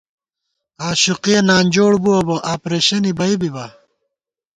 آشوقِیہ نانجوڑ بُوَہ بہ آپرېشِنےبی بِبا